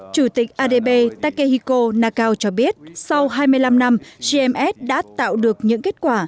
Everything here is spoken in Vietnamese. chủ tịch adb takehiko nakao cho biết sau hai mươi năm năm gms đã tạo được những kết quả